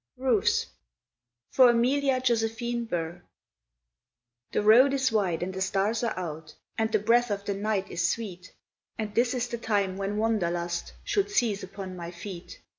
Roofs (For Amelia Josephine Burr) The road is wide and the stars are out and the breath of the night is sweet, And this is the time when wanderlust should seize upon my feet.